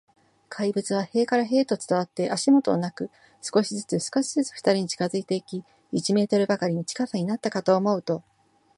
怪物は塀から塀へと伝わって、足音もなく、少しずつ、少しずつ、ふたりに近づいていき、一メートルばかりの近さになったかと思うと、